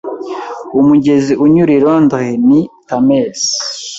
Umugezi unyura i Londres ni Thames.